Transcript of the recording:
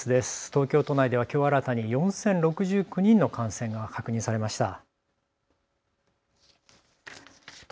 東京都内ではきょう新たに４０６９人の感染が確認されました。